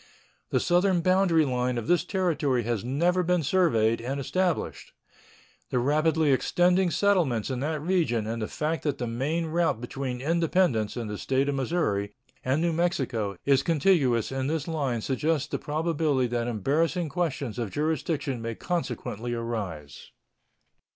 The southern boundary line of this Territory has never been surveyed and established. The rapidly extending settlements in that region and the fact that the main route between Independence, in the State of Missouri, and New Mexico is contiguous in this line suggest the probability that embarrassing questions of jurisdiction may consequently arise.